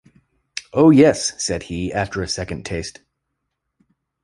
Oh, yes!’ said he, after a second taste.